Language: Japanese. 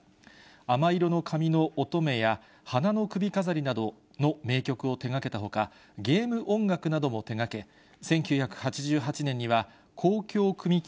亜麻色の髪の乙女や、はなのくびかざりなどの名曲を手がけたほか、ゲーム音楽なども手がけ、１９８８年には交響組曲